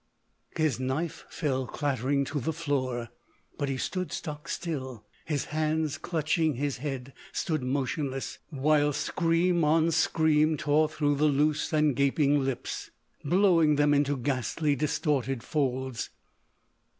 His knife fell clattering to the floor. But he stood stock still, his hands clutching his head—stood motionless, while scream on scream tore through the loose and gaping lips, blowing them into ghastly, distorted folds.